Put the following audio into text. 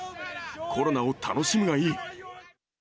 コロナを楽しむがいい。